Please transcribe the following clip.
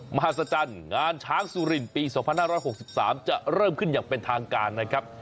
มหัศจรรย์งานช้างสุรินปีสองพันห้าร้อยหกสิบสามจะเริ่มขึ้นอย่างเป็นทางการนะครับ